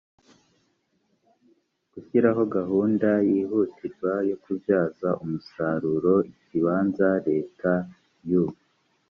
gushyiraho gahunda yihutirwa yo kubyaza umusaruro ikibanza leta y u